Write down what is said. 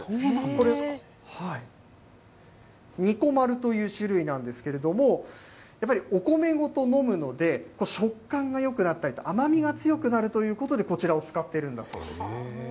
これ、にこまるという種類なんですけれども、やっぱりお米ごと飲むので、食感がよくなったりと、甘みが強くなるということで、こちらを使ってるんだそうです。